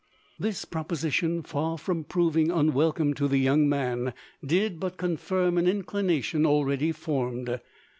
This proposition, far from proving unwelcome to the young man, did but confirm an inclination already formed.